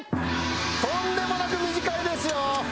とんでもなく短いですよ。